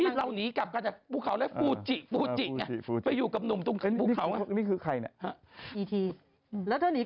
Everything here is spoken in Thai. ที่เราหนีกลับกันภูเจลบทไปอยู่กับนุ้มตรงเภ้า